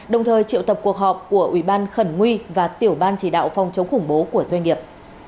đồng thời triệu tập cuộc họp của ủy ban khẩn nguy và tiểu ban chỉ đạo phòng chống khủng bố của doanh nghiệp